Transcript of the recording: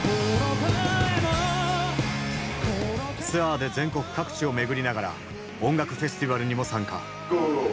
ツアーで全国各地を巡りながら音楽フェスティバルにも参加。